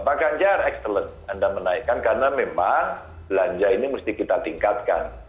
pak ganjar excellence anda menaikkan karena memang belanja ini mesti kita tingkatkan